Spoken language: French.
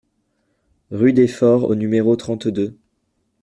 Rue des Fords au numéro trente-deux